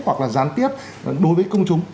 hoặc là gián tiếp đối với công chúng